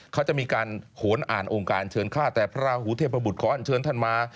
เขาจะมีการโหนอ่านองค์การเชิญค่าแต่พระราหูเทพบุตรขออันเชิญท่านมา